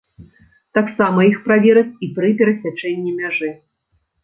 Таксама іх правераць і пры перасячэнні мяжы.